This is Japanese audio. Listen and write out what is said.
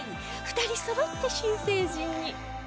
２人そろって新成人に